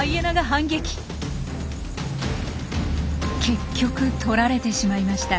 結局取られてしまいました。